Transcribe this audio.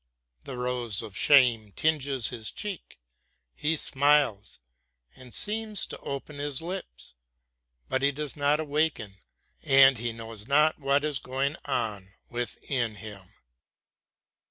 The rose of shame tinges his cheek; he smiles and seems to open his lips, but he does not awaken and he knows not what is going on within him.